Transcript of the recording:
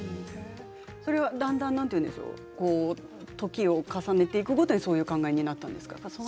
それはだんだん時を重ねていくごとにそういう考えになったんですか。